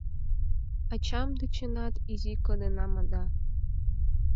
Ачам дечынат изи кодынам да